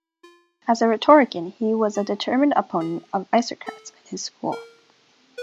As a rhetorician, he was a determined opponent of Isocrates and his school.